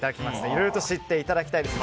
いろいろと知っていただきたいです。